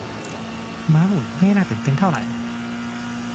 ม้าหมุนไม่น่าตื่นเต้นเท่าไหร่